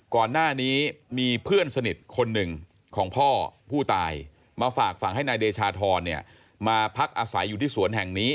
ก่อนหน้านี้มีเพื่อนสนิทคนหนึ่งของพ่อผู้ตายมาฝากฝั่งให้นายเดชาธรมาพักอาศัยอยู่ที่สวนแห่งนี้